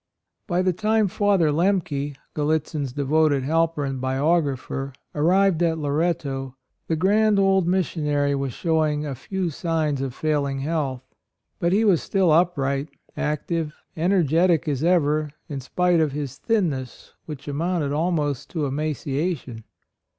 By the time Father Lemke, Gallitzin's devoted helper and biographer, arrived at Loretto the grand old missionary was showing a few signs of failing AND MOTHER. 115 health ; but he was still upright, active, energetic as ever, in spite of his thinness which amounted almost to emaciation.